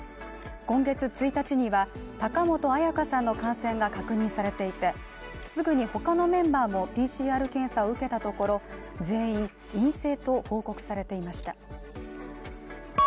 今月１日には高本彩花さんの感染が確認されていてすぐに他のメンバーもＰＣＲ検査を受けたところ全員、陰性と報告されていました。